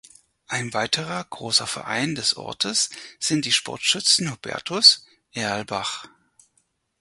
Ein weiterer großer Verein des Ortes sind die Sportschützen Hubertus Erlbach.